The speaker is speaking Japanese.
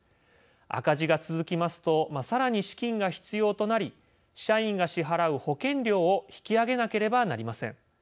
赤字が続きますとさらに資金が必要となり社員が支払う「保険料」を引き上げなければなりません。